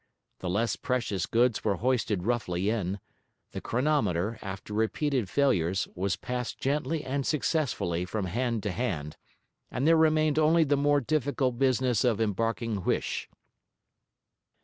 The less precious goods were hoisted roughly in; the chronometer, after repeated failures, was passed gently and successfully from hand to hand; and there remained only the more difficult business of embarking Huish.